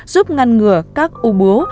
giúp ngăn ngừa các u bố